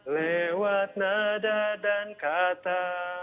lewat nada dan kata